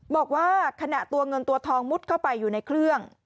บอกว่าขณะตัวเงินตัวทองมุดเข้าไปอยู่ในเครื่อง